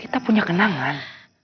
kita punya kenangan